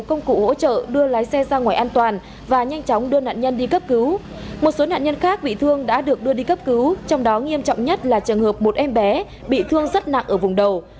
các nạn nhân khác bị thương đã được đưa đi cấp cứu trong đó nghiêm trọng nhất là trường hợp một em bé bị thương rất nặng ở vùng đầu